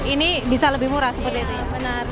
ini bisa lebih murah seperti itu ya